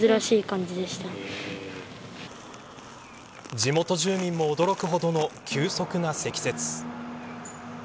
地元住民も驚くほどの急速な積雪。